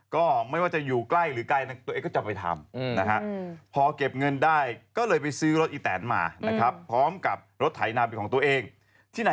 ก็ไม่ว่าจะอยู่ใกล้หรือใกล้ตัวเองก็จะไปทำ